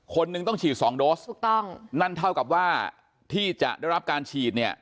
เพราะฉะนั้นเท่ากับว่าที่จะได้รับการฉีด